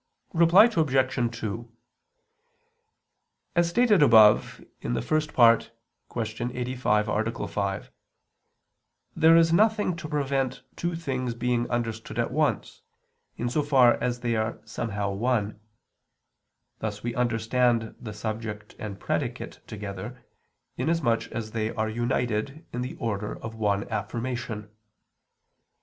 Reply Obj. 2: As stated above (I, Q. 85, A. 5), there is nothing to prevent two things being understood at once, in so far as they are somehow one; thus we understand the subject and predicate together, inasmuch as they are united in the order of one affirmation.